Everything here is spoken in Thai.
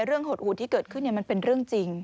เรื่องหดอูดที่เกิดขึ้นเนี่ยมันเป็นเรื่องจริง